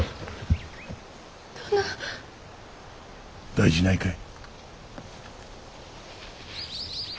大事ないかい？